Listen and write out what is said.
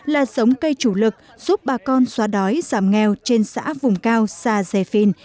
là sống cây chủ lực giúp bà con xóa đói giảm nghèo trên xã vùng cao xa dề phìn